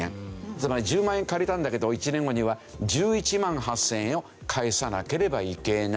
つまり１０万円借りたんだけど１年後には１１万８０００円を返さなければいけない。